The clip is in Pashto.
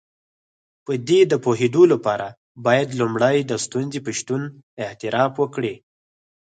په دې د پوهېدو لپاره بايد لومړی د ستونزې په شتون اعتراف وکړئ.